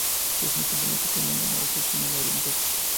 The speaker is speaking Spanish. Es un componente común en la cocina oriental.